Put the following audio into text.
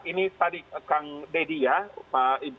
ini tadi kang deddy ya